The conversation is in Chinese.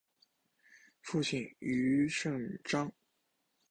父亲涂秉彰。